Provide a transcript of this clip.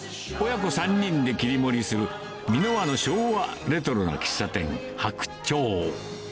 親子３人で切り盛りする、三ノ輪の昭和レトロな喫茶店、白鳥。